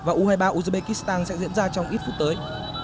và u hai mươi ba uzbekistan sẽ diễn ra trong ít phút tới